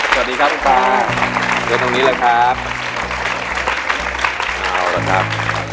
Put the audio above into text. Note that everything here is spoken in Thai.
สวัสดีครับลูกปลาเชิญตรงนี้แหละครับ